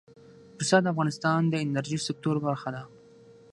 پسه د افغانستان د انرژۍ سکتور برخه ده.